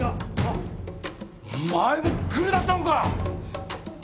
お前もぐるだったのか！